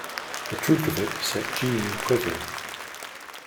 The truth of it set Jeanne quivering.